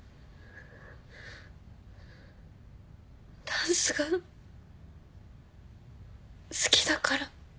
ダンスが好きだから。